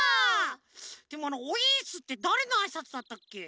でもあの「おいっす」ってだれのあいさつだったっけ？